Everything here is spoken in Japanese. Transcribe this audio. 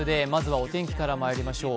お天気からまいりましょう。